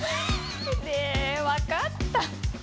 ね、わかった。